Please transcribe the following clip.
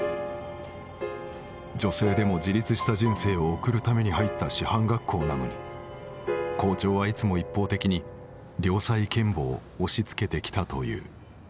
女性でも自立した人生を送るために入った師範学校なのに校長はいつも一方的に「良妻賢母」を押しつけてきたという。